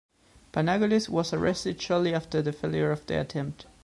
Panagoulis was arrested shortly after the failure of the attempt.